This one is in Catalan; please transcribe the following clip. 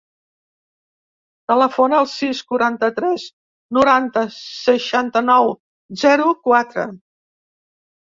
Telefona al sis, quaranta-tres, noranta, seixanta-nou, zero, quatre.